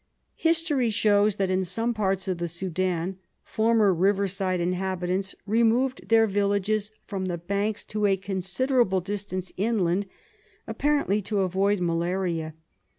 History shows that in some parts of the Sudan former riverside inhabitants removed their villages from the banks to a considerable distance inland, apparently to avoid malaria.